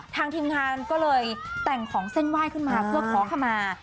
ฐางทีมงานก็เลยแต่งของเส้นว่ายขึ้นมาเพื่อพอคำนา